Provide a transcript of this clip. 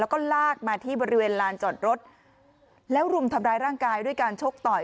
แล้วก็ลากมาที่บริเวณลานจอดรถแล้วรุมทำร้ายร่างกายด้วยการชกต่อย